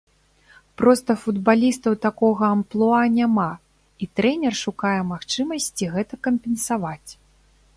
Проста футбалістаў такога амплуа няма, і трэнер шукае магчымасці гэта кампенсаваць.